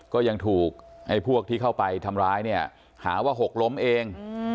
ก็ยังถูกไอ้พวกที่เข้าไปทำร้ายเนี่ยหาว่าหกล้มเอง